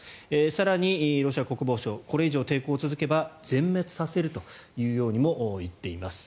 更に、ロシア国防省これ以上抵抗を続ければ全滅させるというようにも言っています。